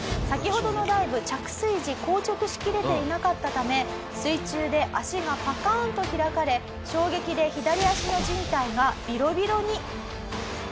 先ほどのダイブ着水時硬直しきれていなかったため水中で足がパカーンと開かれ衝撃で左足の靱帯がビロビロに。